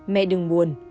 mẹ đừng buồn